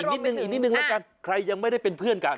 นิดนึงอีกนิดนึงแล้วกันใครยังไม่ได้เป็นเพื่อนกัน